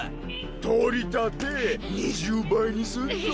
取り立て２０倍にすんぞ？